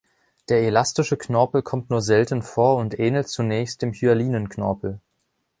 Der elastische Knorpel kommt nur selten vor und ähnelt zunächst dem hyalinen Knorpel.